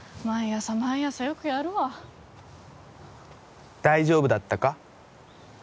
毎朝毎朝よくやるわ大丈夫だったか？